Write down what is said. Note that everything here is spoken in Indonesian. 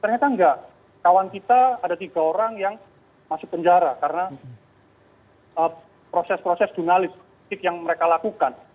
ternyata enggak kawan kita ada tiga orang yang masuk penjara karena proses proses jurnalistik yang mereka lakukan